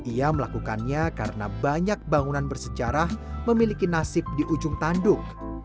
ia melakukannya karena banyak bangunan bersejarah memiliki nasib di ujung tanduk